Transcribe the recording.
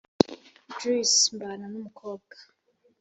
juice, mbana numukobwa